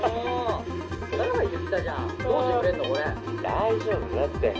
「大丈夫だって」